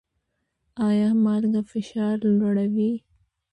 ایا مالګه فشار لوړوي؟